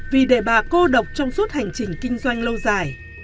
vì để bà cô độc trong suốt hành trình kinh doanh lâu dài